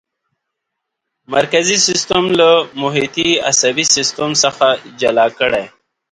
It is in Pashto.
مرکزي سیستم له محیطي عصبي سیستم څخه جلا کړئ.